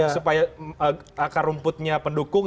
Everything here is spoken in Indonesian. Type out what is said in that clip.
supaya akar rumputnya pendukung